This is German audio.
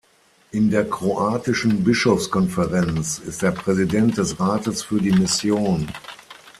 In der Kroatischen Bischofskonferenz ist er Präsident des Rates für die Mission.